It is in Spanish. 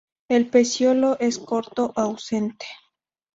El peciolo es corto o ausente.